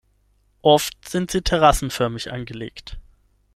Oft sind sie terrassenförmig angelegt.